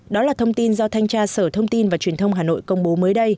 đó là thông tin do thanh tra sở thông tin và truyền thông hà nội công bố mới đây